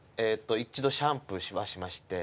一度シャンプーはしまして。